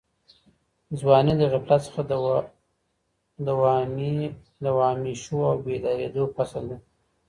ځواني د غفلت څخه د وهمېشهو او بېدارېدو فصل دی.